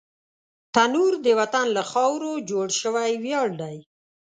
تنور د وطن له خاورو جوړ شوی ویاړ دی